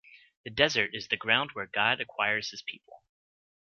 The desert is the ground where God acquires his people.